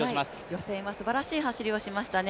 予選はすばらしい走りをしましたね。